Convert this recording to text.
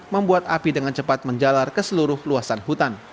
membuat api dengan cepat menjalar ke seluruh luasan hutan